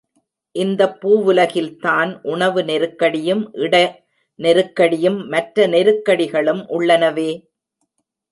இந்தப் பூவுலகில்தான் உணவு நெருக்கடியும் இட நெருக்கடியும் மற்ற நெருக்கடிகளும் உள்ளனவே!